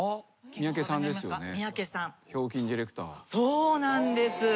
そうなんです。